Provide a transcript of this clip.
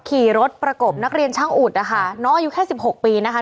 ขี่รถประกบนักเรียนช่างอุดนะคะน้องอายุแค่สิบหกปีนะคะ